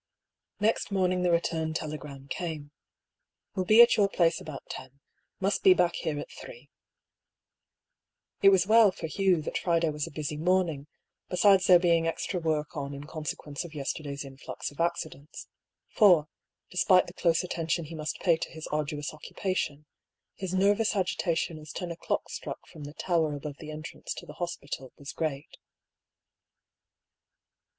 Next morning the return telegram came :—" Will be at your place about ten. Must be back here at threey It was well for Hugh that Friday was a busy morn ing, besides there being extra work on in consequence of yesterday's influx of accidents ; for, despite the close attention he must pay to his arduous occupation, his nervous agitation as ten o'clock struck from the tower above the entrance to the hospital* was great.